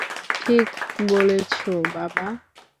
ঠিক বলেছ, বাবা।